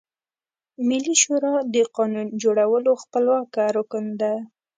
ملي شورا د قانون جوړولو خپلواکه رکن ده.